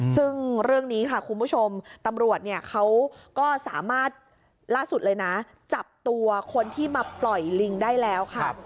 ซึ่งเรื่องนี้ค่ะคุณผู้ชมตำรวจเนี่ยเขาก็สามารถล่าสุดเลยนะจับตัวคนที่มาปล่อยลิงได้แล้วค่ะ